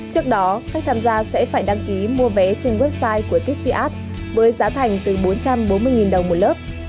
trước đó khách tham gia sẽ phải đăng ký mua vé trên website của tipsias với giá thành từ bốn trăm bốn mươi đồng một lớp